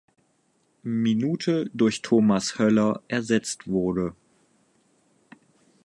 Minute durch Thomas Höller ersetzt wurde.